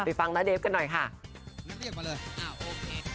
ไปฟังน้าเดฟกันหน่อยค่ะน้าไดกมาเลยอ่าโอเค